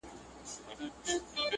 په هغه شپه له پاچا سره واده سوه.!